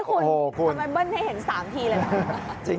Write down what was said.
คุณทำไมเบิ้ลไม่เห็น๓ทีเลย